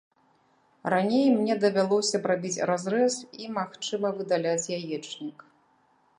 Раней мне давялося б рабіць разрэз і, магчыма, выдаляць яечнік.